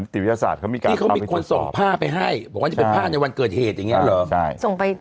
ที่เค้ามีคนส่งผ้าไปให้บอกว่าที่เป็นผ้าในวันเกิดเหตุอย่างเงี้ยหรอ